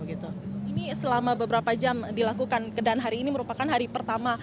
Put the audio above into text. ini selama beberapa jam dilakukan dan hari ini merupakan hari pertama